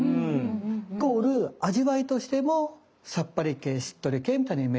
イコール味わいとしてもさっぱり系しっとり系みたいなイメージになっている。